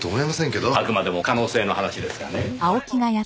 あくまでも可能性の話ですがね。